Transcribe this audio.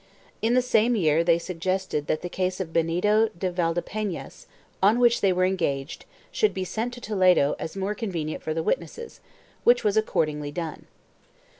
In the same year they suggested that the case of Benito de Valdepenas, on which they were engaged, should be sent to Toledo as more convenient for the witnesses, which was accordingly done.